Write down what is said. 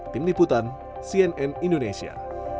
tim liputan cnn indonesia